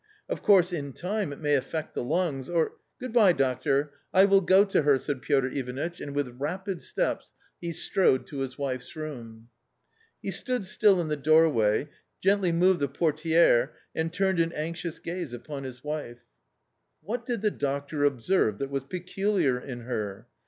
Of course, in time it may affect the lungs, or "" Good bye, doctor* I will go to her," said Piotr Ivanitch, and with rapid steps he strode to his wife's room. He stood still in the doorway, gently moved the portibre^ and turned an anxious gaze upon his wife. What did the doctor observe that was peculiar in her?